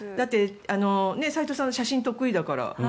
斎藤さんは写真得意だから。